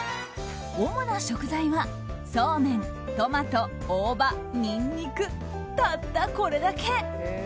主な食材は、そうめん、トマト大葉、ニンニクたったこれだけ。